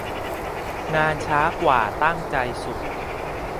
งานช้ากว่าตั้งใจสุด